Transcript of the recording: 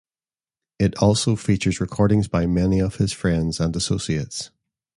It also features recordings by many of his friends and associates.